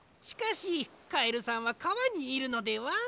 しかしカエルさんはかわにいるのでは？